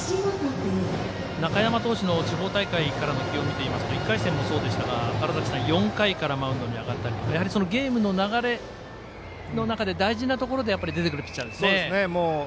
中山投手の地方大会の記録でいいますと１回戦もそうでしたが４回からマウンドに上がったりとやはりゲームの流れの中で大事なところで出てくるピッチャーですね。